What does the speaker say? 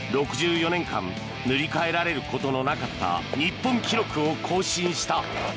６４年間塗り替えられることのなかった日本記録を更新した。